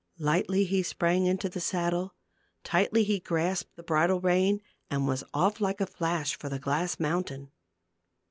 Lightly he sprang into the saddle, tightly he grasped the bridle rein and was off like a flash for the glass mountain.